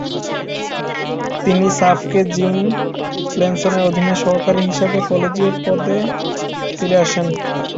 তিনি সাফকে জিম নেলসনের অধীনে সহকারী হিসেবে কলেজিয়েট পদে ফিরে আসেন।